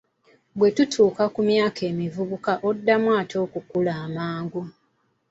Bw'otuuka ku myaka emivubuka oddamu nate okukula amangu.